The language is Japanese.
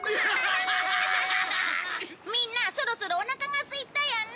みんなそろそろおなかがすいたよね？